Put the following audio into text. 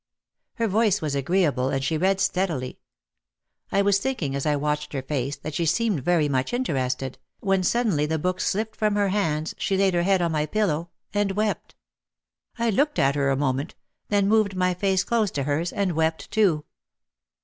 Her voice was agreeable and she read steadily. I was thinking as I watched her face that she seemed very much interested, when suddenly the book slipped from her hands, she laid her head on my pillow and wept. I looked at her a moment, then moved my face close to hers and wept too.